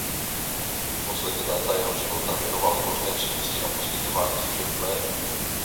Poslední léta jeho života věnoval zbožné činnosti a poskytování služeb kléru.